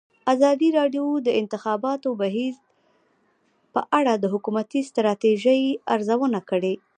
ازادي راډیو د د انتخاباتو بهیر په اړه د حکومتي ستراتیژۍ ارزونه کړې.